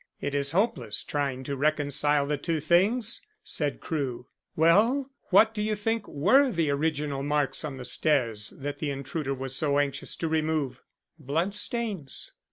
It is hopeless trying to reconcile the two things," said Crewe. "Well, what do you think were the original marks on the stairs that the intruder was so anxious to remove?" "Blood stains."